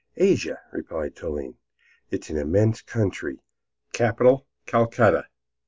"Asia," replied Toline, "is an immense country. Capital Calcutta.